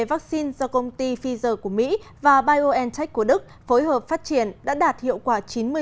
và biontech của đức phối hợp phát triển đã đạt hiệu quả chín mươi